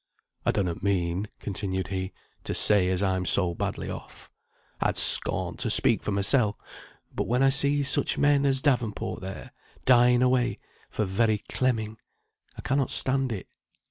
"I donnot mean," continued he, "to say as I'm so badly off. I'd scorn to speak for mysel; but when I see such men as Davenport there dying away, for very clemming, I cannot stand it.